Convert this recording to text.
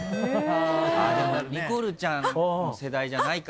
でもニコルちゃんの世代じゃないか。